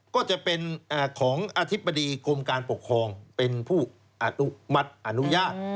ก็จะเป็นของอธิบดีกรมการปกครองเป็นผู้อนุมัติอนุญาต